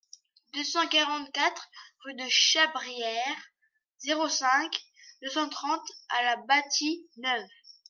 deux cent quarante-quatre rue de Chabrière, zéro cinq, deux cent trente à La Bâtie-Neuve